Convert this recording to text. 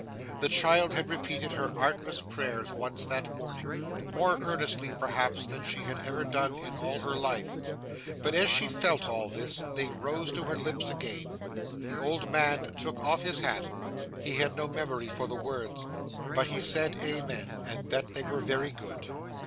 The child had repeated her artless prayers once that morning, more earnestly perhaps than she had ever done in all her life, but as she felt all this, they rose to her lips again. The old man took off his hat he had no memory for the words but he said amen, and that they were very good.